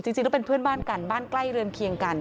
จริงแล้วเป็นเพื่อนบ้านกันบ้านใกล้เรือนเคียงกัน